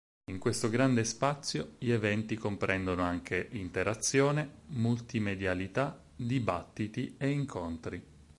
In questo grande spazio gli eventi comprendono anche interazione, multimedialità, dibattiti e incontri.